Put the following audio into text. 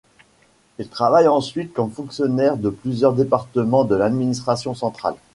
Il travaille ensuite comme fonctionnaire de plusieurs départements de l'administration centrale.